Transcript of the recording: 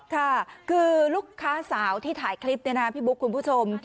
คือลูกค้าสาวที่ถ่ายคลิปในนาพิบุคคุณผู้ชม